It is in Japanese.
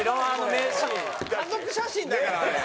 家族写真だからあれ。